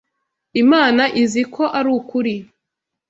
Imana izi ko arukuri.